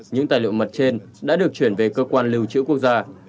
những tài liệu mật trên đã được chuyển về cơ quan lưu trữ quốc gia